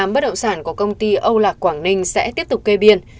bất động sản của công ty âu lạc quảng ninh sẽ tiếp tục kê biên